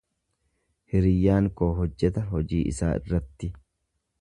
Hiriyyaan koo hojjeta hojii isaa irratti.